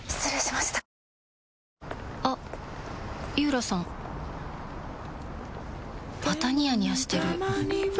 またニヤニヤしてるふふ。